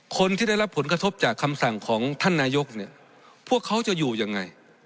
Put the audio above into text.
คนที่ได้รับผลกระทบจากคำสั่งของท่านนายกเนี่ยพวกเขาจะอยู่ยังไง